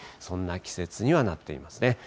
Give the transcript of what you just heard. そんな季節にはなっていますね。